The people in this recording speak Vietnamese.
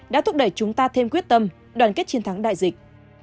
đã thúc đẩy chúng ta thêm quyết tâm đoàn kết chiến thắng đại dịch